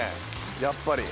やっぱり。